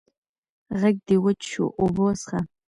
غږ دې وچ شو اوبه وڅښه!